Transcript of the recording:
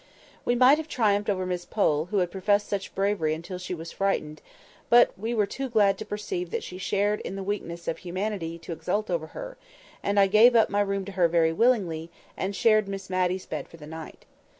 We might have triumphed over Miss Pole, who had professed such bravery until she was frightened; but we were too glad to perceive that she shared in the weaknesses of humanity to exult over her; and I gave up my room to her very willingly, and shared Miss Matty's bed for the night.